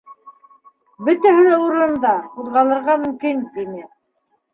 — Бөтәһе лә урынында, ҡуҙғалырға мөмкин, — тине.